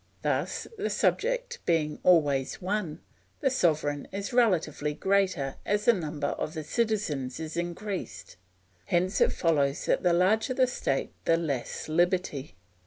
Thus the subject being always one, the sovereign is relatively greater as the number of the citizens is increased. Hence it follows that the larger the state the less liberty.